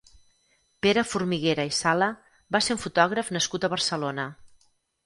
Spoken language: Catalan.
Pere Formiguera i Sala va ser un fotògraf nascut a Barcelona.